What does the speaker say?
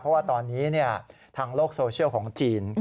เพราะว่าตอนนี้ทางโลกโซเชียลของจีน